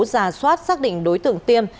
ra soát xác định đối tượng tiêm